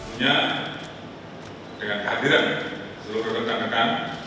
tentunya dengan kehadiran seluruh rekan rekan